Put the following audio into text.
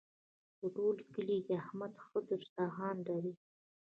په ټول کلي کې احمد ښه دسترخوان لري.